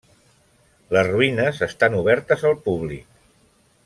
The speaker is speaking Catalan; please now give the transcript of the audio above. Les ruïnes estan obertes al públic.